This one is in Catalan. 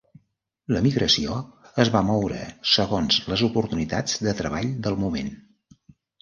L'emigració es van moure segons les oportunitats de treball del moment.